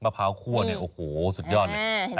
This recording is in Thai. พร้าวคั่วเนี่ยโอ้โหสุดยอดเลย